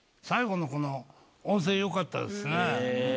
最後のこの温泉よかったですね。